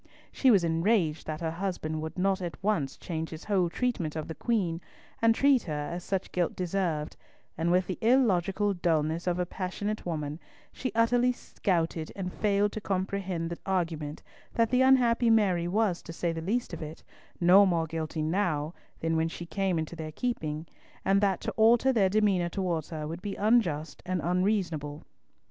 She was enraged that her husband would not at once change his whole treatment of the Queen, and treat her as such guilt deserved; and with the illogical dulness of a passionate woman, she utterly scouted and failed to comprehend the argument that the unhappy Mary was, to say the least of it, no more guilty now than when she came into their keeping, and that to alter their demeanour towards her would be unjust and unreasonable.